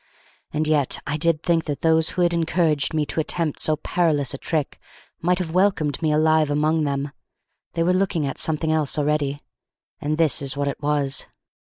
And yet I did think that those who had encouraged me to attempt so perilous a trick might have welcomed me alive among them; they were looking at something else already; and this was what it was.